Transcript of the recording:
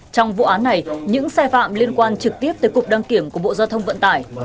trong vụ án này những sai phạm liên quan trực tiếp tới cục đăng kiểm của bộ giao thông vận tải